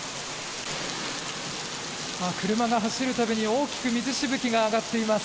車が走る度に大きく水しぶきが上がっています。